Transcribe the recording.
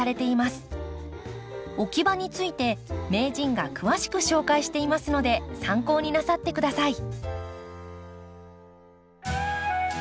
置き場について名人が詳しく紹介していますので参考になさって下さい。